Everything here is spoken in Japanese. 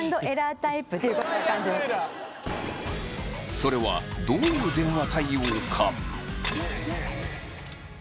それはどういう電話対応か。